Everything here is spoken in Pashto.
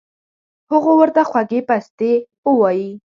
هغو ورته خوږې پستې اووائي